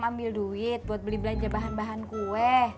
ambil duit buat beli belanja bahan bahan kue